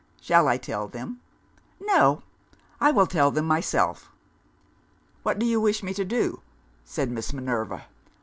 Shall I tell them?" "No; I will tell them myself." "What do you wish me to do?" said Miss Minerva.